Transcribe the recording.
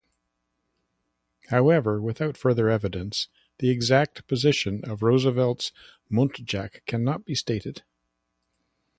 However, without further evidence, the exact position of Roosevelt's muntjac cannot be stated.